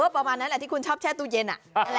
ประมาณนั้นแหละที่คุณชอบแช่ตู้เย็น